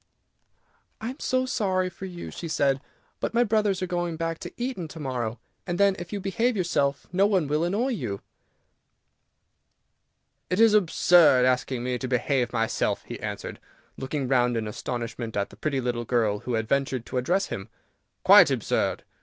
"I am so sorry for you," she said, "but my brothers are going back to Eton to morrow, and then, if you behave yourself, no one will annoy you." "It is absurd asking me to behave myself," he answered, looking round in astonishment at the pretty little girl who had ventured to address him, "quite absurd.